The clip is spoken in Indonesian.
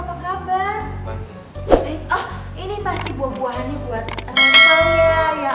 baik banget sih ini juga buat rontangnya ya ampun ganteng banget sih gimana sih